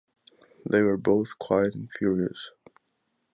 They were both quiet and furious.